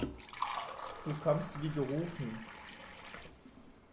Du kommst wie gerufen.